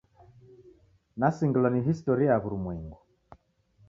Nasingilwa ni historia ya w'urumwengu.